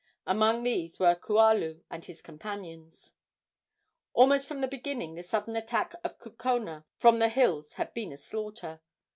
Among these were Kualu and his companions. Almost from the beginning the sudden attack of Kukona from the hills had been a slaughter.